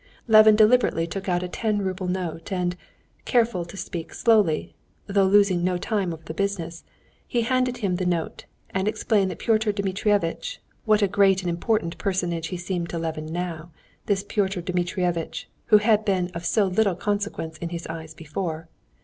Levin deliberately took out a ten rouble note, and, careful to speak slowly, though losing no time over the business, he handed him the note, and explained that Pyotr Dmitrievitch (what a great and important personage he seemed to Levin now, this Pyotr Dmitrievitch, who had been of so little consequence in his eyes before!)